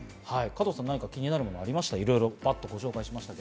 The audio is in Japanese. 加藤さん、気になるものありました？